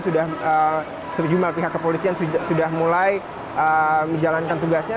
sejumlah pihak kepolisian sudah mulai menjalankan tugasnya